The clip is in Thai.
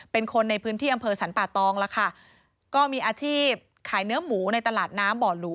เป็นคนในพื้นที่อำเภอสรรป่าตองล่ะค่ะก็มีอาชีพขายเนื้อหมูในตลาดน้ำบ่อหลู